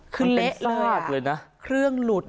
ขึ้นเละเลยอ่ะเครื่องหลุดแล้ว